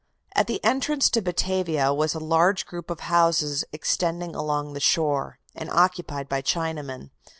At the entrance to Batavia was a large group of houses extending along the shore, and occupied by Chinamen.